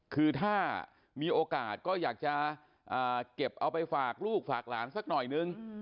คือถ้ามีโอกาสก็อยากจะเก็บเอาไปฝากลูกฝากหลานสักหน่อยนึง